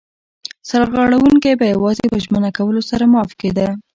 سرغړونکی به یوازې په ژمنه کولو سره معاف کېده.